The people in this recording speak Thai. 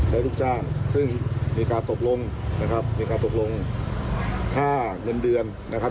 และลูกจ้างซึ่งมีการตกลงนะครับมีการตกลงค่าเงินเดือนนะครับ